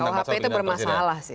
kuhp itu bermasalah sih